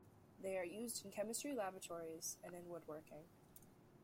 They are used in chemistry laboratories and in woodworking.